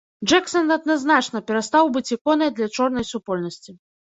Джэксан адназначна перастаў быць іконай для чорнай супольнасці.